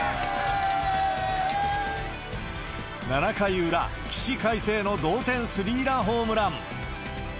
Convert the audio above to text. ７回裏、起死回生の同点スリーランホームラン。